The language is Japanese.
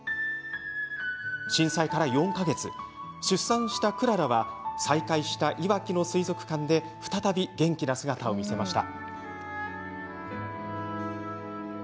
震災から４か月出産したくららは再開した、いわきの水族館で再び元気な姿を見せました。